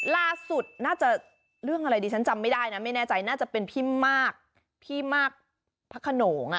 ล่าสุดน่าจะเรื่องอะไรดิฉันจำไม่ได้นะไม่แน่ใจน่าจะเป็นพี่มากพี่มากพระขนงอ่ะ